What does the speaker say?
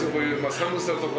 寒さとか。